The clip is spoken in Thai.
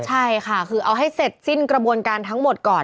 ใช่ค่ะคือเอาให้เสร็จสิ้นกระบวนการทั้งหมดก่อน